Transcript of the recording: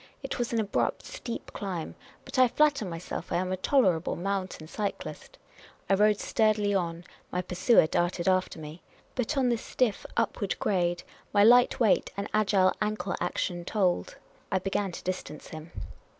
It was an abrupt, steep climb ; but I flatter myself I am a tolerable mountain cyclist. I rode sturdily on ; my pursuer darted after me. But on this stiff upward grade my light weight and agile ankle action told ; I began to distance him.